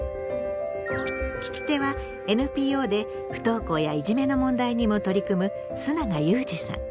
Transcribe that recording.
聞き手はＮＰＯで不登校やいじめの問題にも取り組む須永祐慈さん。